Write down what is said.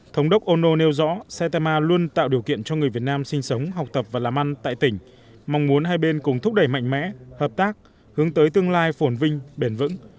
thống đốc ono nêu rõ saitama luôn tạo điều kiện cho người việt nam sinh sống học tập và làm ăn tại tỉnh mong muốn hai bên cùng thúc đẩy mạnh mẽ hợp tác hướng tới tương lai phổn vinh bền vững